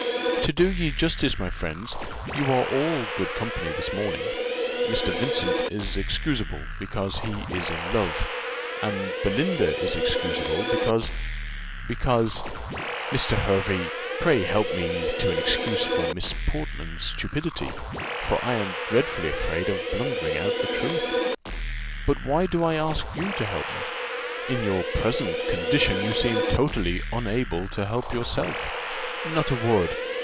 "To do ye justice, my friends, you are all good company this morning. Mr. Vincent is excusable, because he is in love; and Belinda is excusable, because because Mr. Hervey, pray help me to an excuse for Miss Portman's stupidity, for I am dreadfully afraid of blundering out the truth. But why do I ask you to help me? In your present condition, you seem totally unable to help yourself. Not a word!